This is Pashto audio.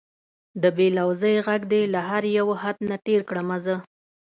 د بې لوظۍ غږ دې له هر یو حد نه تېر کړمه زه